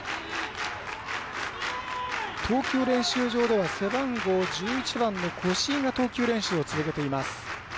投球練習場では背番号１１番の越井が投球練習を続けています。